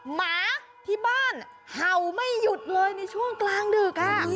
หมาที่บ้านเห่าไม่หยุดเลยในช่วงกลางดึก